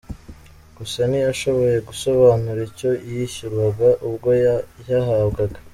Gusa ntiyashoboye gusobanura icyo yishyurwaga ubwo yayahabwaga.